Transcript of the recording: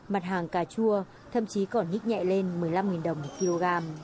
mặt hàng cà chua thậm chí còn nhích nhẹ lên một mươi năm đồng một kg